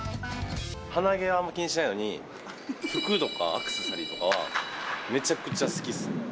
鼻毛はあんま気にしないのに、服とかアクセサリーとかはめちゃくちゃ好きっす。